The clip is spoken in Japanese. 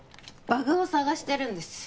バグを探してるんです